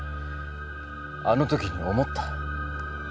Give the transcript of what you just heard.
あの時に思った。